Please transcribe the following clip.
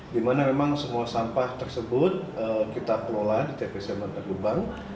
dimana memang semua sampah tersebut kita kelola di tpst bantar gebang